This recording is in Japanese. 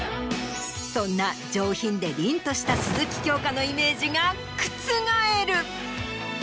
そんな上品で凛とした鈴木京香のイメージが覆る。